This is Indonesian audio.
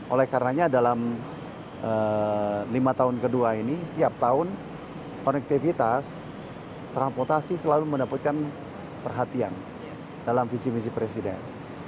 oleh karenanya dalam lima tahun kedua ini setiap tahun konektivitas transportasi selalu mendapatkan perhatian dalam visi misi presiden